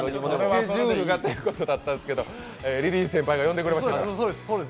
スケジュールがということだったんですけど、リリー先輩が呼んでくれました。